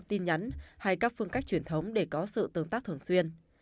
tin nhắn hay các phương cách truyền thống để có sự tương tác thường xuyên